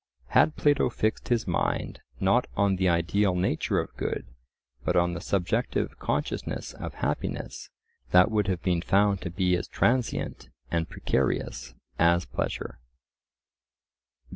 Had Plato fixed his mind, not on the ideal nature of good, but on the subjective consciousness of happiness, that would have been found to be as transient and precarious as pleasure.